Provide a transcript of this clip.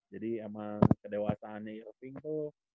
jadi sama kedewasaannya irving tuh